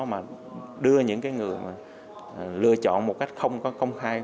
mà đưa những cái người mà lựa chọn một cách không có công khai